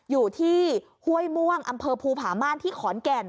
อยู่ที่ห้วยม่วงอำเภอภูผาม่านที่ขอนแก่น